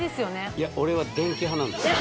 いや俺は電気派なんですよ